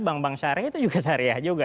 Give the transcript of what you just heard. bank bank syariah itu juga syariah juga